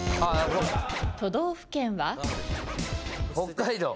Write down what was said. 都道府県は？北海道。